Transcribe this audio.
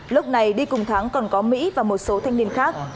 lúc này đi cùng thắng còn có mỹ và một số thanh niên khác